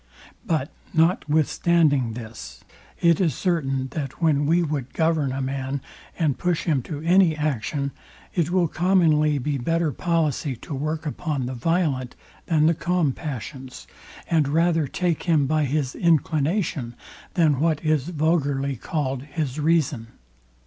But notwithstanding this, it is certain, that when we would govern a man, and push him to any action, it will commonly be better policy to work upon the violent than the calm passions, and rather take him by his inclination, than what is vulgarly called his reason.